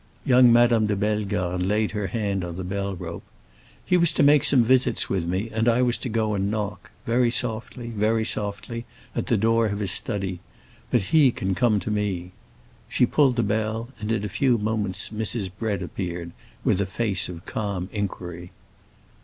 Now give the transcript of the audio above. Young Madame de Bellegarde laid her hand on the bell rope. "He was to make some visits with me, and I was to go and knock—very softly, very softly—at the door of his study. But he can come to me!" She pulled the bell, and in a few moments Mrs. Bread appeared, with a face of calm inquiry.